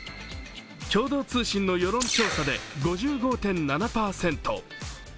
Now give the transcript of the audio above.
共同通信の世論調査で５５．７％。